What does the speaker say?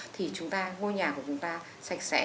thì chúng ta ngôi nhà của chúng ta sạch sẽ